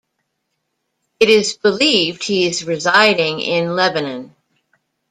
It is believed he is residing in Lebanon.